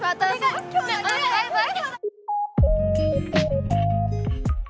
バイバイ。